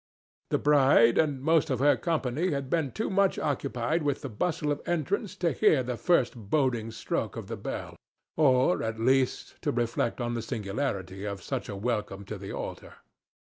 The bride and most of her company had been too much occupied with the bustle of entrance to hear the first boding stroke of the bell—or, at least, to reflect on the singularity of such a welcome to the altar.